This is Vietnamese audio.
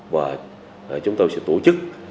và chúng tôi sẽ tổ chức